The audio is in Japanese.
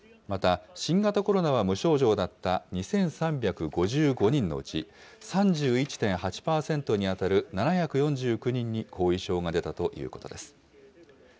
また、新型コロナは無症状だった２３５５人のうち３１．８％に当たる７４９人に後遺症が出たということです。